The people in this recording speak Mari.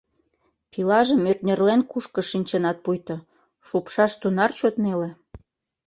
— Пилажым ӧртнерлен кушкыж шинчынат пуйто, шупшаш тунар чот неле».